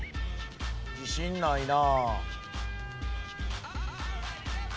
自信ないな。